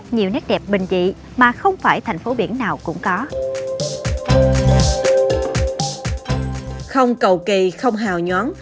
nhiều nét đẹp bình dị mà không phải thành phố biển nào cũng có không cầu kỳ không hào nhoáng